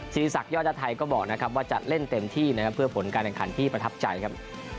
ศิริษักยอดญาติไทยก็บอกนะครับว่าจะเล่นเต็มที่นะครับเพื่อผลการแข่งขันที่ประทับใจครับ